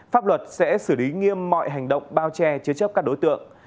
pháp luật sẽ xử lý nghiêm mọi hành động bao che chế chấp các đối tượng